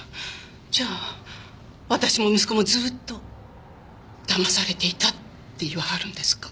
じゃあ私も息子もずっとだまされていたって言わはるんですか？